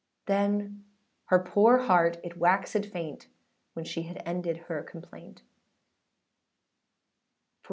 â Then her poor heart it waxèd faint, When she had ended her complaint.